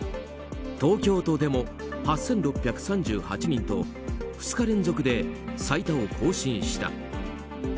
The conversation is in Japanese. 東京都でも８６３８人と２日連続で最多を更新した。